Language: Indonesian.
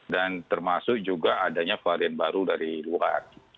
dan termasuk juga adanya varian baru dari luar